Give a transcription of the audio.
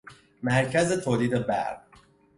مرکز تولید برق